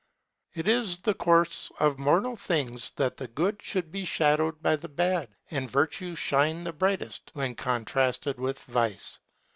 It is the course of mortal things that the good should be shadowed by the bad, and virtue shine the brightest when contrasted with vice.